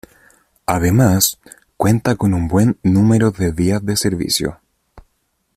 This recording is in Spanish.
Además, cuenta con un buen número de vías de servicio.